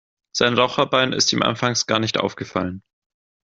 Sein Raucherbein ist ihm anfangs gar nicht aufgefallen.